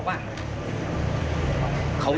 ๑๐๐ครับผม๑๐๐ครับ